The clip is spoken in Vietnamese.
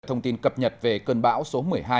thông tin cập nhật về cơn bão số một mươi hai